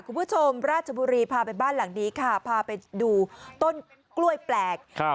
คุณผู้ชมราชบุรีพาไปบ้านหลังนี้ค่ะพาไปดูต้นกล้วยแปลกครับ